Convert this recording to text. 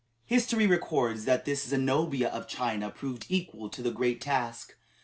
History records that this Zenobia of China proved equal to the great task.